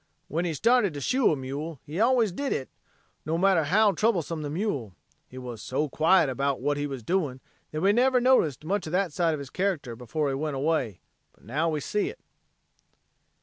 When he started to shoe a mule he always did hit no matter how troublesome the mule. He wuz so quiet about what he wuz doing that we never noticed much o' that side of his character before he went away. But now we see hit."